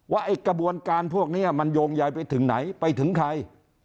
ไอ้กระบวนการพวกนี้มันโยงใยไปถึงไหนไปถึงใคร